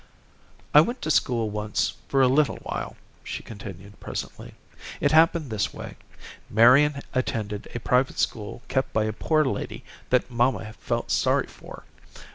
"I went to school once for a little while," she continued presently. "It happened this way: Marian attended a private school kept by a poor lady that mamma felt sorry for.